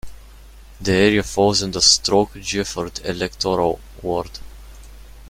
The area falls in the Stoke Gifford electoral ward.